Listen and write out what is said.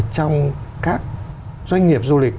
trong các doanh nghiệp du lịch